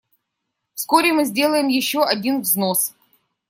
Вскоре мы сделаем еще один взнос.